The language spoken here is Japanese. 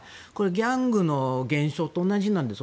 ギャングの現象と同じなんです。